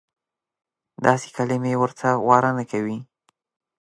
داسې کلیمې ورته واره نه کوي.